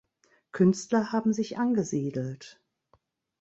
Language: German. Künstler haben sich angesiedelt.